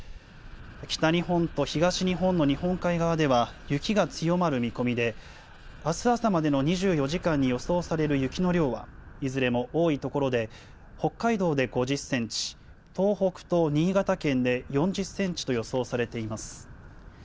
北日本と東日本の日本海側では、雪が強まる見込みで、あす朝までの２４時間に予想される雪の量は、いずれも多い所で北海道で５０センチ、東北と新潟県で４０センチと予想されています。